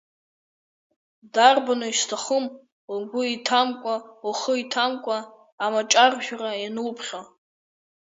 Дарбану изҭахым, угәы иҭамкәа, ухы иҭамкәа амаҷаржәра иануԥхьо?